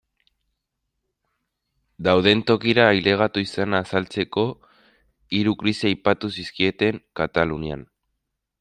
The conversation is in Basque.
Dauden tokira ailegatu izana azaltzeko, hiru krisi aipatu zizkieten Katalunian.